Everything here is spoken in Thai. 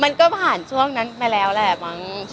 มันก็ผ่านช่วงนั้นไปแล้วแหละมั้ง